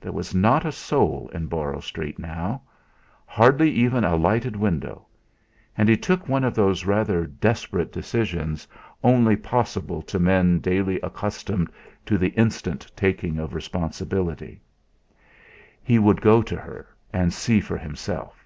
There was not a soul in Borrow Street now; hardly even a lighted window; and he took one of those rather desperate decisions only possible to men daily accustomed to the instant taking of responsibility. He would go to her, and see for himself.